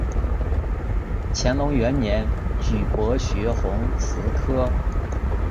乾隆元年举博学鸿词科。